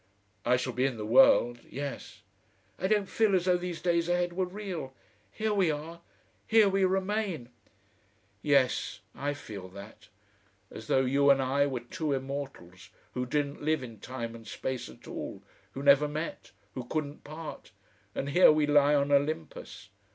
"I shall be in the world yes." "I don't feel as though these days ahead were real. Here we are, here we remain." "Yes, I feel that. As though you and I were two immortals, who didn't live in time and space at all, who never met, who couldn't part, and here we lie on Olympus.